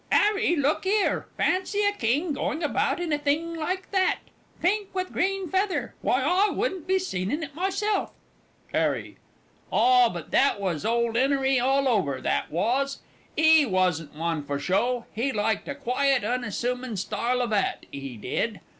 'Arry, look 'ere; fancy a king going about in a thing like that pink with a green feather! Why, I wouldn't be seen in it myself! 'ARRY. Ah, but that was ole 'Enery all over, that was; he wasn't one for show. He liked a quiet, unassumin' style of 'at, he did.